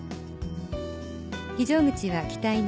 「非常口は機体の前方